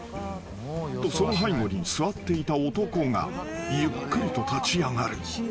［とその背後に座っていた男がゆっくりと立ち上がる］